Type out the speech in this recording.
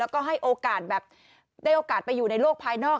แล้วก็ได้โอกาสไปอยู่ในโลกภายนอก